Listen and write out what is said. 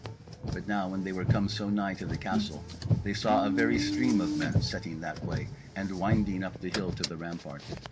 But now when they were come so nigh to the castle they saw a very stream of men setting that way, and winding up the hill to the rampart.